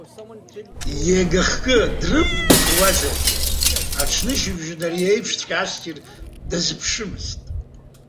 Иага хкы дрықәгәыӷуазаргьы, аҽнышьыбжьон ари аиԥшҵәҟьа ассир дазыԥшымызт!